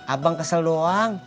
abang kesel doang